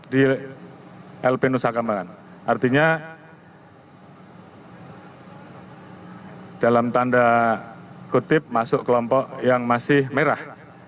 di lp nusa kambangan artinya dalam tanda kutip masuk kelompok yang masih merah